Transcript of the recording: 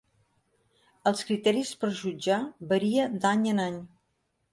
Els criteris per jutjar varia d'any en any.